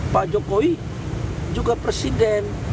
pak jokowi juga presiden